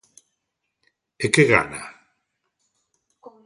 E ¿que gana?